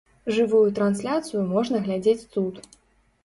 Жывую трансляцыю можна глядзець тут.